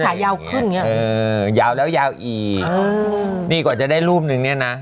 ขายาวขึ้นอย่างเงี้เออยาวแล้วยาวอีกนี่กว่าจะได้รูปหนึ่งเนี้ยนะ